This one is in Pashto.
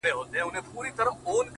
o پوهېږې په جنت کي به همداسي ليونی یم،